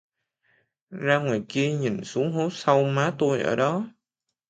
Ra ngoài kia mà nhìn xuống hố sâu má tôi ở đó